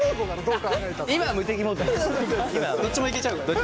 どっちも行けちゃうから。